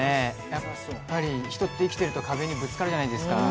やっぱり人って生きてると壁にぶつかるじゃないですか。